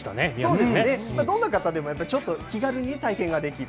そうですね、どんな方でもやっぱりちょっと気軽に体験ができる。